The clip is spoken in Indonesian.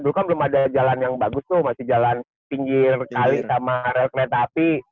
dulu kan belum ada jalan yang bagus tuh masih jalan pinggir kali sama rel kereta api